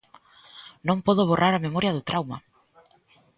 ¡Non podo borrar a memoria do trauma!